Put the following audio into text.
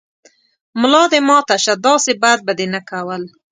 ملا دې ماته شۀ، داسې بد به دې نه کول